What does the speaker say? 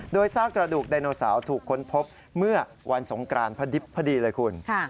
โดยซากกระดูกไดโนเสาร์ถูกค้นพบเมื่อวันสงกรานพอดีเลยคุณ